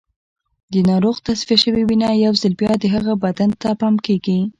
د ناروغ تصفیه شوې وینه یو ځل بیا د هغه بدن ته پمپ کېږي.